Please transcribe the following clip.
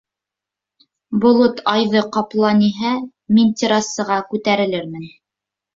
Болот айҙы ҡапланиһә, мин террасаға күтәрелермен.